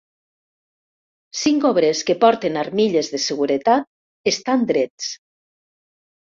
Cinc obrers que porten armilles de seguretat estan drets.